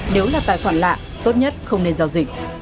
nếu là tài khoản lạ tốt nhất không nên giao dịch